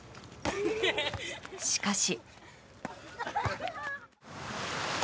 しかし。